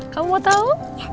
kamu mau tahu